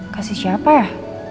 kasih siapa ya